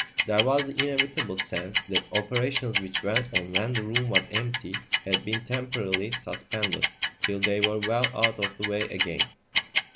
There was the inevitable sense that operations which went on when the room was empty had been temporarily suspended till they were well out of the way again.